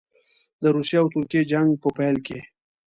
د روسیې او ترکیې جنګ په پیل کې.